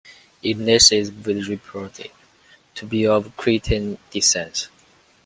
Ignatius was reported to be of Cretan descent.